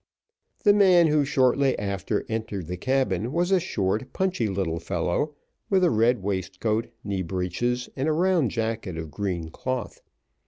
The man, who shortly after entered the cabin, was a short, punchy little fellow, with a red waistcoat, knee breeches, and a round jacket of green cloth.